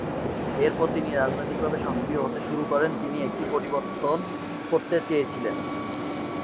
এরপর, তিনি রাজনৈতিকভাবে সক্রিয় হতে শুরু করেন, তিনি একটি পরিবর্তন করতে চেয়েছিলেন।